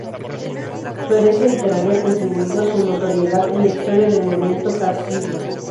Su herencia literaria ha contribuido a su notoriedad en la historia del movimiento jasídico.